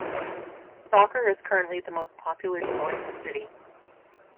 Soccer is currently the most popular sport in the city.